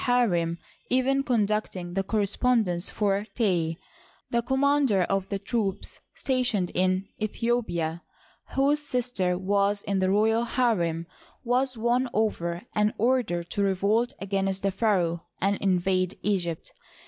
harem " even conducting the correspondence for Tey, The commander of the troops stationed in Aethiopia, whose sister was in the royal harem, was won over and ordered to revolt against the pharaoh and invade Egypt.